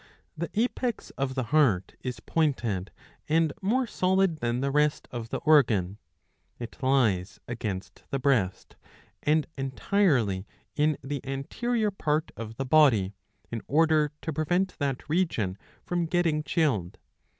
The apex of the heart is pointed and more solid than the rest of the organ. It lies against the breast, and entirely in the anterior part of the body, in order to prevent that region from getting chilled.